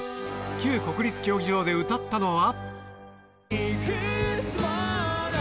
旧国立競技場で歌ったのは。